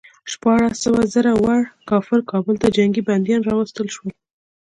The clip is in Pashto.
شپاړس سوه زړه ور کافر کابل ته جنګي بندیان راوستل شول.